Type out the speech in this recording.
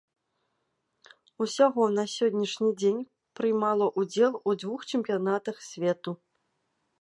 Усяго на сённяшні дзень прымала ўдзел у двух чэмпіянатах свету.